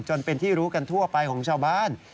จนเป็นที่รู้กันทั่วไปของชาวบ้าน